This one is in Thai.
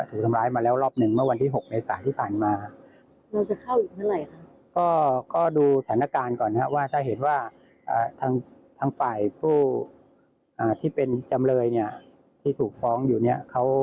ทางฝ่ายผู้ที่เป็นจำเลยที่ถูกฟ้องอยู่นี่